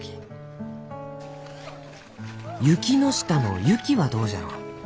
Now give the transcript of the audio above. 「ユキノシタの『ユキ』はどうじゃろう？